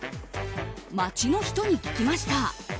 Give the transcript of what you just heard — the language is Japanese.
街の人に聞きました。